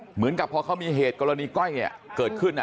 เหมือนกับพอเขามีเหตุกรณีก้อยเกิดขึ้น